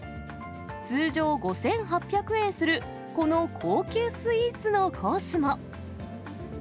通常５８００円するこの高級スイーツのコースも。